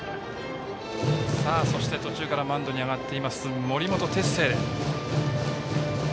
そして、途中からマウンドに上がっている森本哲星。